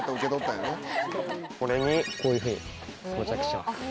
これにこういうふうに装着します。